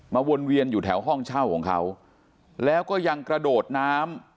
วนเวียนอยู่แถวห้องเช่าของเขาแล้วก็ยังกระโดดน้ำ